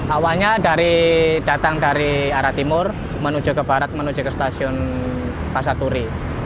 awalnya datang dari arah timur menuju ke barat menuju ke stasiun pasar turi